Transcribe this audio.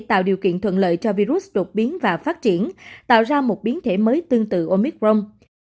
tạo điều kiện thuận lợi cho virus đột biến và phát triển tạo ra một biến thể mới tương tự omicron